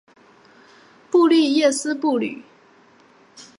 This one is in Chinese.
布利耶斯布吕。